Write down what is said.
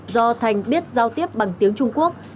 do thành biết giao tiếp bằng tiếng trung quốc